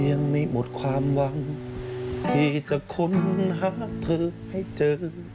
ยังไม่หมดความหวังที่จะค้นหาเธอให้เจอ